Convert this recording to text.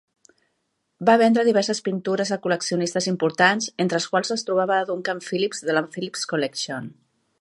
Va vendre diverses pintures a col·leccionistes importants, entre els quals es trobava Duncan Phillips de la Phillips Collection.